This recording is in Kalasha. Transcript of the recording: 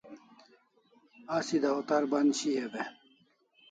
Asi dawtar band shiau e?